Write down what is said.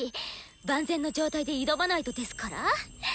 万全の状態で挑まないとですから！